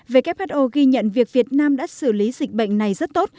who ghi nhận việc việt nam đã xử lý dịch bệnh này rất tốt